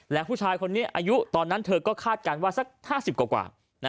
และผู้ชายคนนี้อายุตอนนั้นเธอก็คาดการณ์ว่าสัก๕๐กว่า